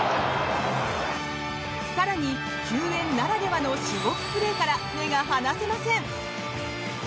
更に、球宴ならではの至極プレーから目が離せません。